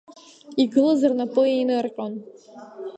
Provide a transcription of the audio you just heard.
Игылаз рнапы еинырҟьон.